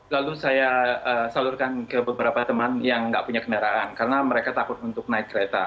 lalu saya salurkan ke beberapa teman yang nggak punya kendaraan karena mereka takut untuk naik kereta